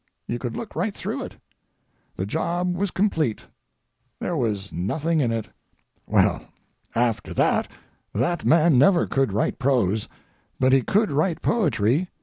You could look right through it. The job was complete; there was nothing in it. Well, after that that man never could write prose, but he could write poetry.